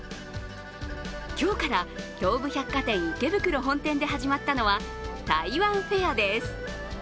今日から東武百貨店池袋本店で始まったのは台湾フェアです。